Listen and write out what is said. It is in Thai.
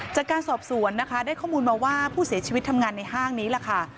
จากการสอบสวนนะคะได้ข้อมูลมาว่าผู้เสียชีวิตทำงานในห้างนี้แหละค่ะ